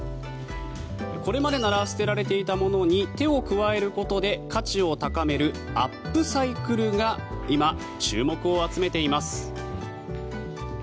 これまでなら捨てられていたものに手を加えることで価値を高めるアップサイクルが今、注目を集めています。